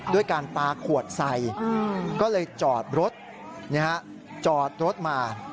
ด้วยการปลาขวดใส่ก็เลยจอดรถจอดรถมา